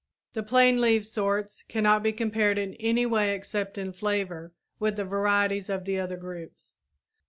The plain leaved sorts cannot be compared in any way except in flavor with the varieties of the other groups.